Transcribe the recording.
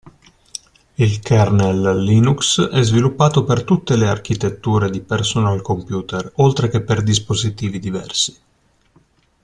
Il kernel Linux è sviluppato per tutte le architetture di personal computer oltre che per dispositivi diversi.